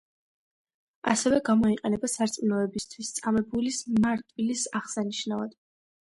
ასევე გამოიყენება სარწმუნოებისთვის წამებულის, მარტვილის აღსანიშნავად.